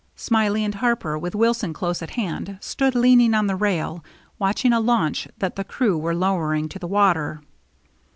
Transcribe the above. Smiley and Harper, with Wilson close at hand, stood leaning on the rail, watching a launch that the crew were lowering to the water.